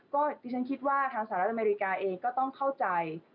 ก็ดิฉันคิดว่าทางสหรัฐอเมริกาเองก็ต้องเข้าใจ